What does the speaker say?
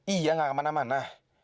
iya gak kemana mana